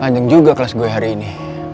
panjang juga kelas gue hari ini